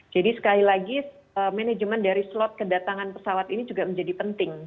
jadi sekali lagi manajemen dari slot kedatangan pesawat ini juga menjadi penting